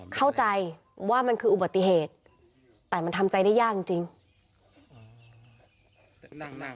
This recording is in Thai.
เข้าใจว่ามันคืออุบัติเหตุแต่มันทำใจได้ยากจริง